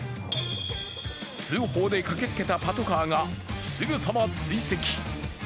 通報で駆けつけたパトカーがすぐさま追跡。